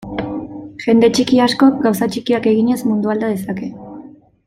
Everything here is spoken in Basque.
Jende txiki askok, gauza txikiak eginez, mundua alda dezake.